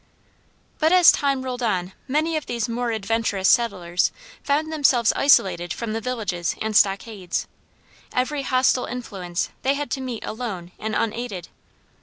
But as time rolled on many of these more adventurous settlers found themselves isolated from the villages and stockades. Every hostile influence they had to meet alone and unaided.